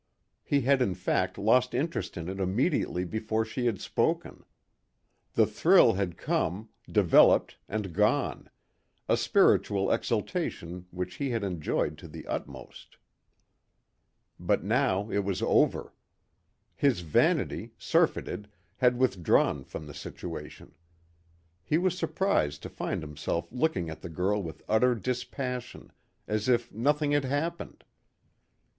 He had in fact lost interest in it immediately before she had spoken. The thrill had come, developed and gone a spiritual exaltation which he had enjoyed to the utmost. But now it was over. His vanity, surfeited, had withdrawn from the situation. He was surprised to find himself looking at the girl with utter dispassion, as if nothing had happened.